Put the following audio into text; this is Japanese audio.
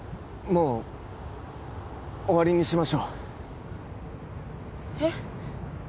もう終わりにしましょうえっ？